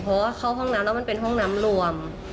เพราะว่าเข้าห้องน้ำแล้วมันเป็นห้องน้ำรวม